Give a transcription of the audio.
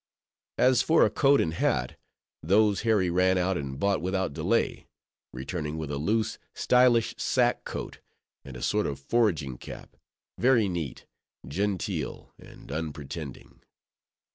As for a coat and hat, those Harry ran out and bought without delay; returning with a loose, stylish sack coat, and a sort of foraging cap, very neat, genteel, and unpretending.